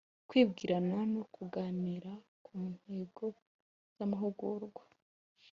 Kwibwirana no kuganira ku ntego z amahugurwa